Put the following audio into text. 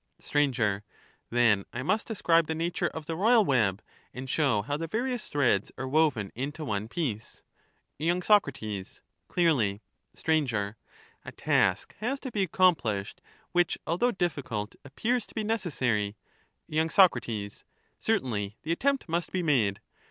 Str. Then I must describe the nature of the royal web, The nature and show how the various threads are woven into one ^u^t^n^^*' piece. be con Y. Sac. Clearly. ^»^«^ Sir. A task has to be accomplished, which, although ~ difficult, appears to be necessary. y. Sac. Certainly the attempt must be made.